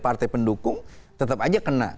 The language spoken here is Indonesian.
partai pendukung tetap aja kena